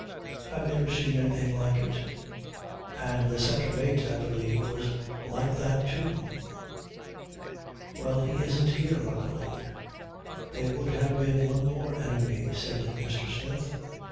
I've never seen anything like it. And the second mate, I believe, was like that too." "Well, he isn't here, luckily. There would have been one more enemy," said Mr. Smith.